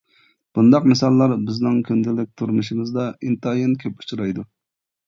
بۇنداق مىساللار بىزنىڭ كۈندىلىك تۇرمۇشىمىزدا ئىنتايىن كۆپ ئۇچرايدۇ.